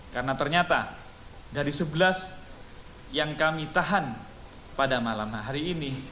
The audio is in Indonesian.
karena ternyata dari sebelas yang kami tahan pada malam hari ini